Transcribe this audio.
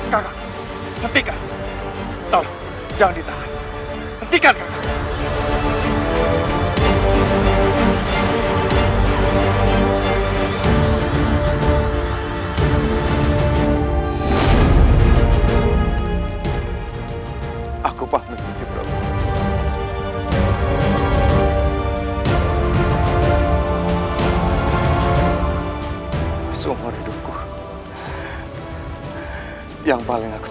ketika kau menemukan aku